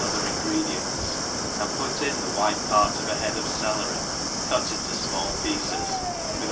other ingredients, and put in the white part of a head of celery cut in imall pieces, with a little B 3